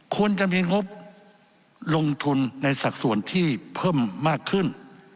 ควรจะมีงบลงทุนในสัดส่วนที่เพิ่มมากขึ้น